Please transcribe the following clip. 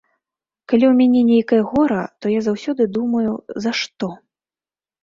Калі ў мяне нейкае гора, то я заўсёды думаю, за што?